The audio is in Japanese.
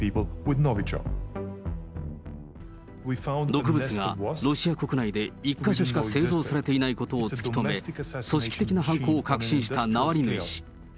毒物がロシア国内で１か所しか製造されていないことを突き止め、組織的な犯行を確信したナワリヌイ氏。